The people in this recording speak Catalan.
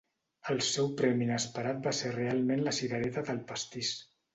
El seu premi inesperat va ser realment la cirereta del pastís